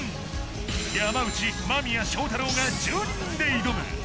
山内間宮祥太朗が１２人で挑む